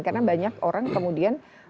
karena banyak orang kemudian